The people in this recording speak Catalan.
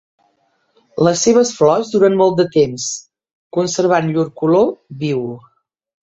Les seves flors duren molt de temps, conservant llur color viu.